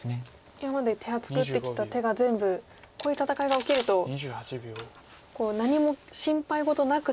今まで手厚く打ってきた手が全部こういう戦いが起きると何も心配事なく戦えますもんね。